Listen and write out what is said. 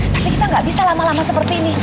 tapi kita nggak bisa lama lama seperti ini